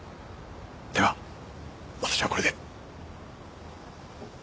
では私はこれで。